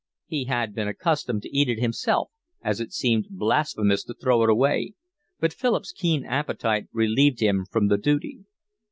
He had been accustomed to eat it himself, as it seemed blasphemous to throw it away, but Philip's keen appetite relieved him from the duty.